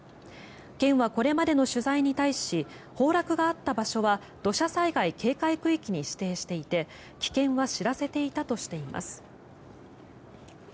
県はこれまでの取材に対し崩落があった場所は土砂災害警戒区域に指定していて危険は知らせていたとしています。